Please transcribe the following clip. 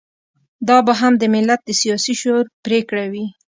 دا به هم د ملت د سياسي شعور پرېکړه وي.